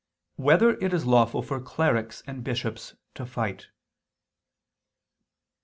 2] Whether It Is Lawful for Clerics and Bishops to Fight?